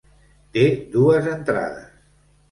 Té dues entrades.